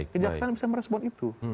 kejaksaan bisa merespon itu